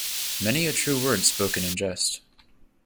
Many a true word spoken in jest.